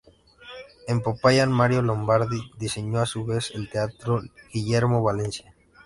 En Popayán, Mario Lombardi diseñó a su vez el Teatro Guillermo Valencia.